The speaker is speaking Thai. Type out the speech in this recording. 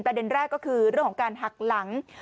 ประเด็นแรกก็คือเรื่องของการหักหลัง